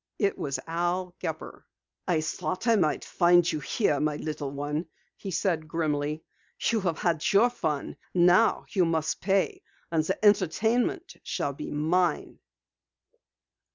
It was Al Gepper. "I thought I might find you here, my little one," he said grimly. "You have had your fun. Now you must pay, and the entertainment shall be mine!"